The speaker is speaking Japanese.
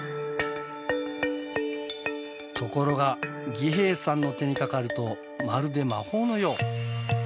ところが儀兵衛さんの手にかかるとまるで魔法のよう。